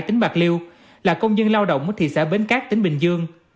tính bạc liêu là công dân lao động ở thị xã bến cát tính bình dương